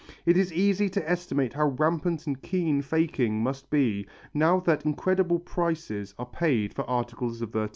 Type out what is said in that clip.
It is easy to estimate how rampant and keen faking must be now that incredible prices are paid for articles of virtu.